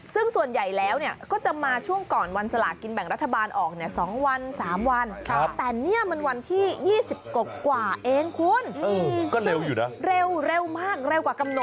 ซึ่งส่วนใหญ่แล้วก็จะมาช่วงก่อนวันสลากินแบ่งรัฐบาลออกเนี่ย๒วัน๓วัน